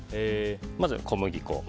まず、小麦粉。